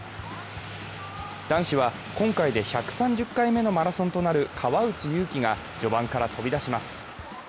男子は今回で１３０回目のマラソンとなる川内優輝が序盤から飛び出します。